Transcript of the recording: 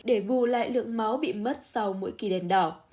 để bù lại lượng máu bị mất sau mỗi kỳ đèn đỏ